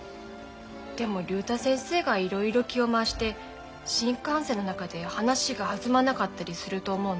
でも竜太先生がいろいろ気を回して新幹線の中で話が弾まなかったりすると思うな。